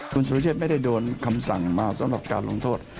คุณสุรเชษไม่ได้โดนคำสั่งมาสำหรับการลงโทษ